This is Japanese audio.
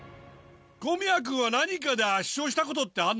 小宮君は何かで圧勝したことってあんの？